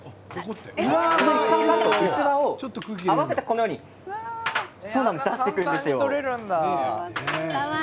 器を合わせてこのように出していくんですよ。